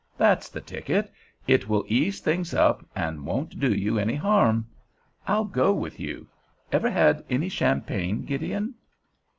That's the ticket; it will ease things up and won't do you any harm. I'll go, with you. Ever had any champagne, Gideon?"